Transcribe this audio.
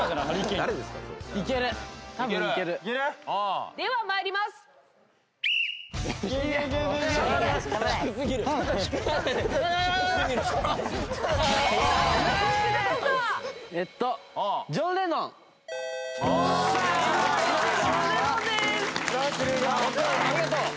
ありがとう。